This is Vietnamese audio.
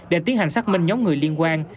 để tiến hành xác minh nhóm người liên quan